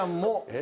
え？